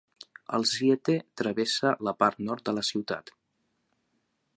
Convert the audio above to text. El Ziethe travessa la part nord de la ciutat.